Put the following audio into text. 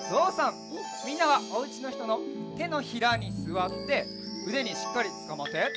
みんなはおうちのひとのてのひらにすわってうでにしっかりつかまって。